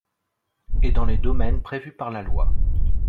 et dans les domaines prévus par la loi